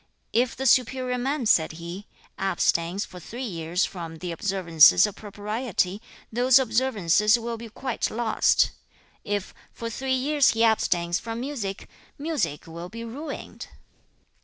2. 'If the superior man,' said he, 'abstains for three years from the observances of propriety, those observances will be quite lost. If for three years he abstains from music, music will be ruined.